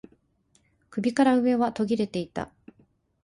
首から上は途切れていた